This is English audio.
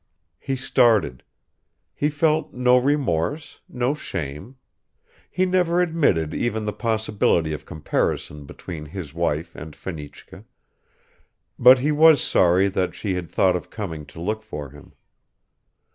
He started. He felt no remorse, no shame. He never admitted even the possibility of comparison between his wife and Fenichka, but he was sorry that she had thought of coming to look for him.